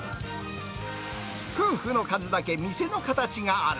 夫婦の数だけ店の形がある。